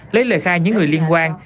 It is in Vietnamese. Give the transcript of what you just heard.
lấy lời khai những người liên quan